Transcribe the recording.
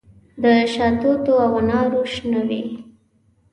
د شاتوتو او انارو شنه وي